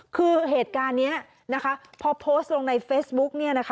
คือเหตุการณ์นี้พอโพสต์ลงในเฟซบุ๊ก